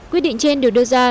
quyết định trên đều đưa ra